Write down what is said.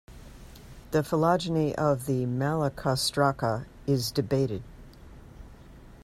The phylogeny of the Malacostraca is debated.